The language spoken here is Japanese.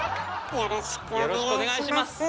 よろしくお願いします！